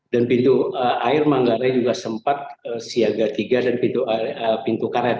dan pintu air manggare juga sempat siaga tiga dan pintu karet